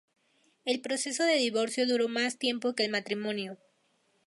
El proceso de divorcio duró más tiempo que el matrimonio.